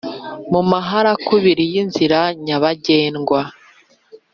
mu maharakubiri y'inzira nyabagendwa